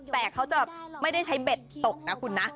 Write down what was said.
แต่ไม่ใช่กินเบ็ดตกนะคุณนะ